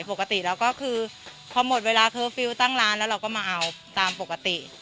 ปกติแล้วก็คือพอหมดเวลาเคอร์ฟิลล์ตั้งร้านแล้วเราก็มาเอาตามปกติ